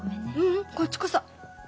ううんこっちこそ。